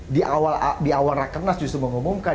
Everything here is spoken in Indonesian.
di awal rakernas justru mengumumkan